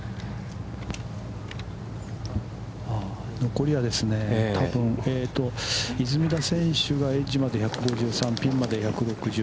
残りはですね、多分、出水田選手がエッジまで１５３、ピンまで１６４。